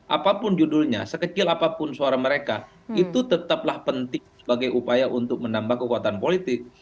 apapun judulnya sekecil apapun suara mereka itu tetaplah penting sebagai upaya untuk menambah kekuatan politik